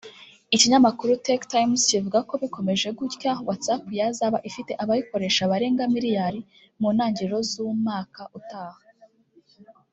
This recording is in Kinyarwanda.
Ikinyamakuru Tech Times kivuga ko bikomeje gutya WhatsApp yazaba ifite abayikoresha barenga miliyari mu ntangiriro z’umaka utaha